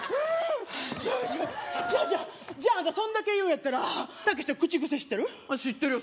じゃあじゃあじゃああんたそんだけ言うんやったらたけしの口癖知ってる？